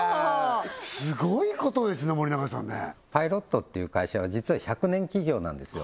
すごいことですね森永さんねパイロットっていう会社は実は１００年企業なんですよ